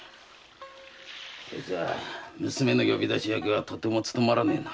これじゃ娘の呼び出し役はとてもつとまらねえな。